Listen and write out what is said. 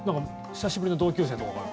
久しぶりの同級生とかから。